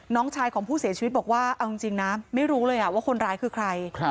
น้องชายของผู้เสียชีวิตบอกว่าเอาจริงนะไม่รู้เลยว่าคนร้ายคือใคร